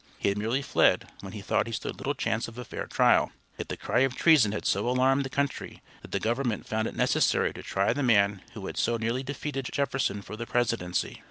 He had merely fled when he thought he stood little chance of a fair trial. Yet the cry of treason had so alarmed the country that the government found it necessary to try the man who had so nearly defeated Jefferson for the Presidency.